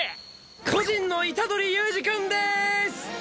故人の虎杖悠仁君です！